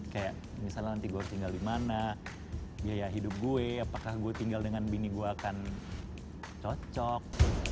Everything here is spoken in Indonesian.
kayak misalnya nanti gue tinggal di mana biaya hidup gue apakah gue tinggal dengan bini gue akan cocok